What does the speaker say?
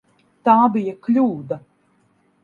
Tā bija kļūda.